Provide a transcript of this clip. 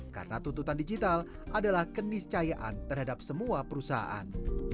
karena tuntutan digital adalah keniscayaan terhadap semua perusahaan